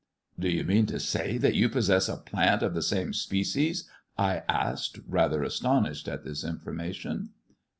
a Do you mean to say that you possess a plant of the same species?" I asked, rather astonished at this information.